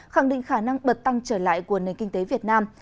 khẳng định khả năng bật tăng trở lại của nền kinh tế việt nam